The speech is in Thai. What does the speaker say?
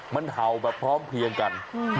มันเห่าแบบพร้อมเพียงกัน